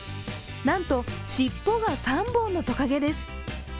なんと、尻尾が３本のとかげです。